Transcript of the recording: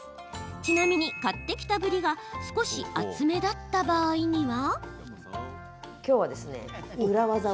ちなみに買ってきたぶりが少し厚めだった場合は。